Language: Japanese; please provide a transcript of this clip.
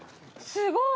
すごい！